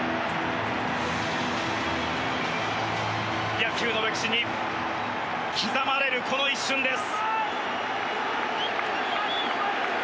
野球の歴史に刻まれるこの一瞬です。